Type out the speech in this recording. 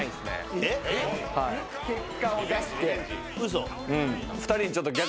嘘。